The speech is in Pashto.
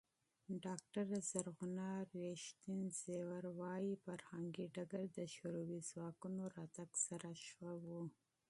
ډاکټره زرغونه ریښتین زېور وايي، فرهنګي ډګر د شوروي ځواکونو راتګ سره ښه و.